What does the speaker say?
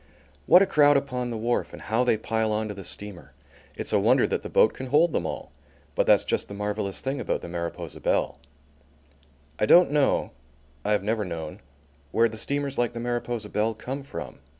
What a crowd upon the wharf and how they pile on to the steamer! It's a wonder that the boat can hold them all. But that's just the marvellous thing about the Mariposa Belle. I don't know, I have never known, where the steamers like the Mariposa Belle come from.